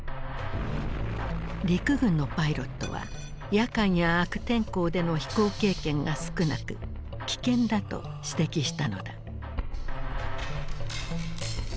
陸軍のパイロットは夜間や悪天候での飛行経験が少なく危険だと指摘したのだ。